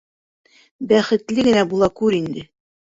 Бәхетле генә була күр инде...